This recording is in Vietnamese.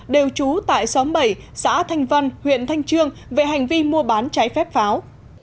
đều trú tại xóm bảy xã thanh văn huyện thanh trương về hành vi mua bán trái phép pháo